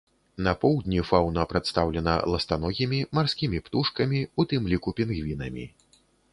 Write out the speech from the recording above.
На поўдні фаўна прадстаўлена ластаногімі, марскімі птушкамі, у тым ліку пінгвінамі.